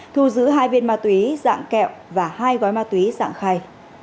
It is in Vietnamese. thu giữ hai viên ma túy dạng kẹo và hai gói ma túy dạng khay